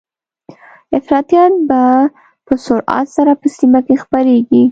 افراطيت به په سرعت سره په سیمه کې خپریږي